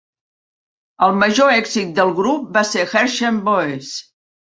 El major èxit del grup va ser "Hersham Boys".